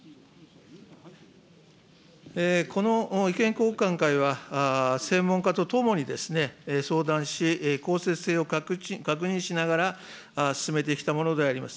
この意見交換会は専門家と共にですね、相談し、こうせつ性を確認しながら進めてきたものであります。